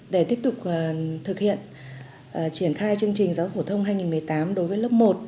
để tiếp tục thực hiện triển khai chương trình giáo dục phổ thông hai nghìn một mươi tám đối với lớp một